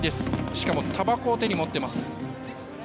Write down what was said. しかも、たばこを手に持っています。